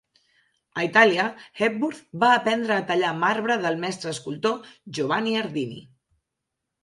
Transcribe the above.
A Itàlia, Hepworth va aprendre a tallar marbre del mestre escultor, Giovanni Ardini.